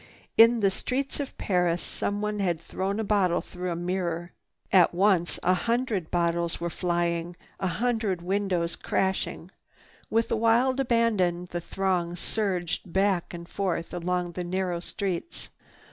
In the Streets of Paris someone had thrown a bottle through a mirror. At once a hundred bottles were dying, a hundred windows crashing. With wild abandon the throng surged back and forth along the narrow streets.